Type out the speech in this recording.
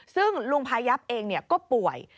ซึ่งลุงพายับเองก็ป่วย